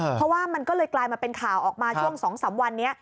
เพราะว่ามันก็เลยกลายมาเป็นข่าวออกมาช่วง๒๓วันนี้